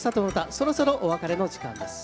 そろそろお別れのお時間です。